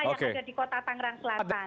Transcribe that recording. yang ada di kota tangerang selatan